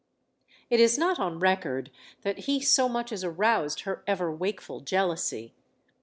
It is not on record that he so much as aroused her ever wakeful jealousy.